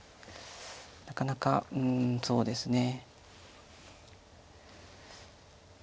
なかなかうんそうですね。